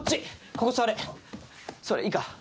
ここ座れ座れいいか。